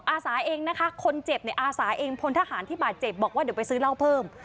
อาสาเองนะคะคนเจ็บเนี่ยอาสาเองพลทหารที่บาดเจ็บบอกว่าเดี๋ยวไปซื้อเหล้าเพิ่ม